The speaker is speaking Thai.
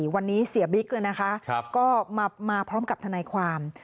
วันนี้เสียบิ๊กก็มาพร้อมกับทนายความ